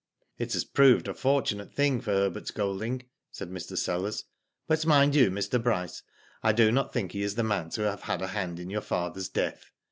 " It has proved a fortunate thing for Herbert Golding," said Mr. Sellers ;" but mind you, Mr. Bryce, I do not think he is the man to have had a hand in your father's death.